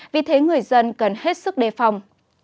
vì thế người dân cần hết sức đề phòng